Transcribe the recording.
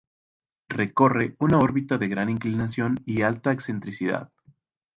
Recorre una órbita de gran inclinación y alta excentricidad.